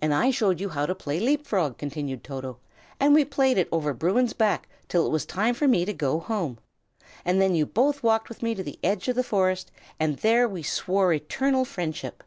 "And I showed you how to play leap frog," continued Toto; "and we played it over Bruin's back till it was time for me to go home. And then you both walked with me to the edge of the forest, and there we swore eternal friendship."